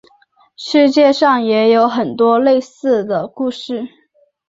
世界上也有很多类似的故事。